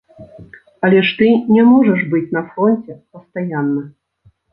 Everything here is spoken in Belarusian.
Але ж ты не можаш быць на фронце пастаянна.